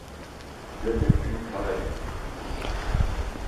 They lived in Calais.